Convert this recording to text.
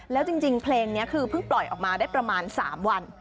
แล้วจริงเพลงนี้คือเพิ่งปล่อยออกมาได้ประมาณ๓วัน